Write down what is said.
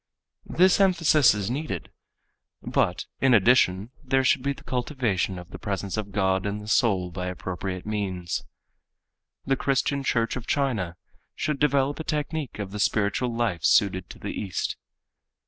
This emphasis is needed, but in addition there should be the cultivation of the presence of God in the soul by appropriate means. The Christian Church of China should develop a technique of the spiritual life suited to the East.